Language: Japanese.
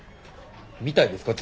見たいですか？